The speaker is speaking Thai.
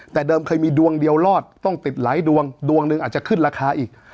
แต่เดิมเคยมีดวงเดียวรอดต้องติดหลายดวงดวงหนึ่งอาจจะขึ้นราคาอีก